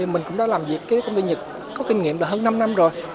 mình cũng đã làm việc với công ty nhật có kinh nghiệm là hơn năm năm rồi